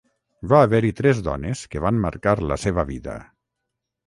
Va haver-hi tres dones que van marcar la seva vida.